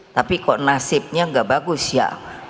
tapi kok nasibnya gak bagus ya